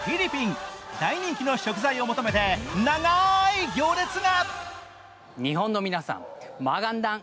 大人気の食材を求めて長い行列が。